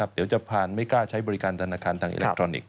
เดี๋ยวจะผ่านไม่กล้าใช้บริการธนาคารทางอิเล็กทรอนิกส